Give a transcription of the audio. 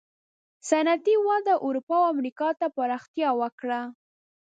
صنعتي وده اروپا او امریکا ته پراختیا وکړه.